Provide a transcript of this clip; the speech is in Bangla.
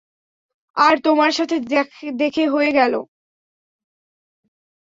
আর তোমার সাথে দেখে হয়ে গেলো।